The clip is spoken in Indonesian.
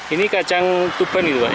ini kacang tuban itu pak ya